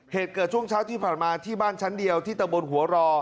เหตุเกิดช่วงเช้าที่ผ่านมาที่บ้านชั้นเดียวที่ตะบนหัวรอ